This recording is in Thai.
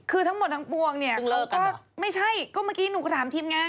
คือทั้งหมดทั้งปวงเนี่ยก็ไม่ใช่ก็เมื่อกี้หนูก็ถามทีมงาน